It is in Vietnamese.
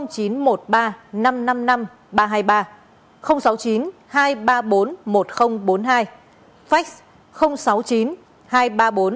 cảm ơn các bạn đã theo dõi và hẹn gặp lại